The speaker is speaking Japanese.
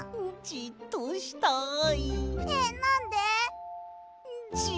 じっとしたい。